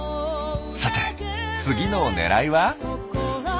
さて次のねらいは？